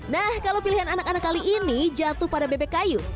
nah kalau pilihan anak anak kali ini jatuh pada bebek kayu